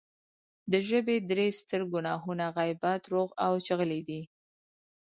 د ژبې درې ستر ګناهونه غیبت، درواغ او چغلي دی